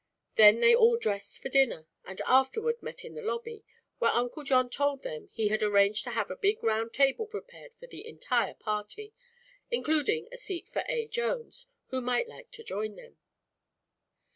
Then they all dressed for dinner and afterward met in the lobby, where Uncle John told them he had arranged to have a big round table prepared for the entire party, including a seat for A. Jones, who might like to join them.